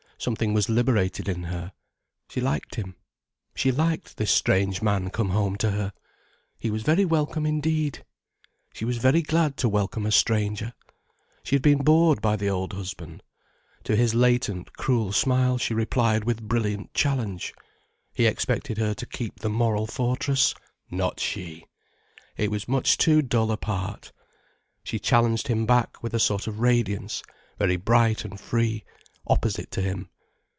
Something was liberated in her. She liked him. She liked this strange man come home to her. He was very welcome, indeed! She was very glad to welcome a stranger. She had been bored by the old husband. To his latent, cruel smile she replied with brilliant challenge. He expected her to keep the moral fortress. Not she! It was much too dull a part. She challenged him back with a sort of radiance, very bright and free, opposite to him.